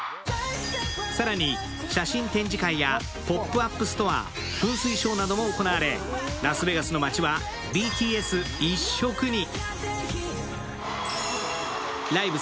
更に、写真展示会やポップアップストア、噴水ショーなども行われ、ラスベガスの街はＢＴＳ一色に。